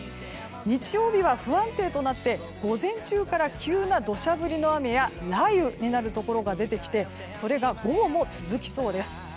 日曜日は不安定となって午前中から急な土砂降りの雨や雷雨になるところが出てきてそれが午後も続きそうです。